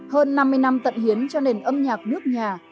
hơn năm mươi năm tận hiến cho nền âm nhạc nước nhà